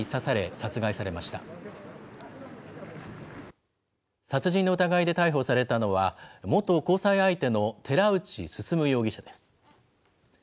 殺人の疑いで逮捕されたのは、元交際相手の寺内進容疑者です。